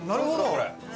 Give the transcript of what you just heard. これ。